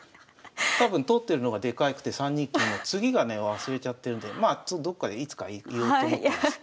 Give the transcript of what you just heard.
多分通ってるのがでかくて３二金の次がね忘れちゃってるんでまあどっかでいつか言おうと思ってます。